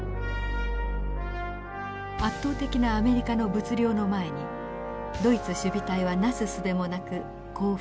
圧倒的なアメリカの物量の前にドイツ守備隊はなすすべもなく降伏。